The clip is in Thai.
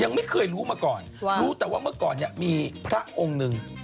ยังไม่เคยรู้มาก่อนรู้แต่ว่าเมื่อก่อนเนี่ยมีพระองค์หนึ่ง